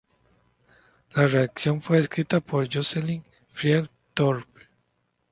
La reacción fue descrita por Jocelyn Field Thorpe.